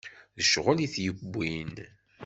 D ccɣel i t-yewwin.